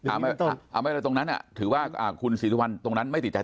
อ่าเอาไว้เลยตรงนั้นเนี่ยถือว่าคุณศิริวัณฑ์ตรงนั้นไม่ติดใจ